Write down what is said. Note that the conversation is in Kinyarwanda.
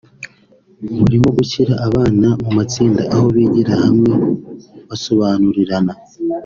burimo gushyira abana mu matsinda aho bigira hamwe basobanurirana